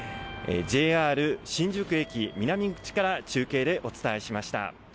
ＪＲ新宿駅南口から中継でお伝えしました。